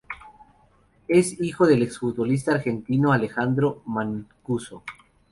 Es hijo del ex futbolista argentino Alejandro Mancuso.